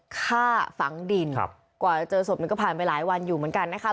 ฆ่าฝังดินกว่าจะเจอศพมันก็ผ่านไปหลายวันอยู่เหมือนกันนะคะ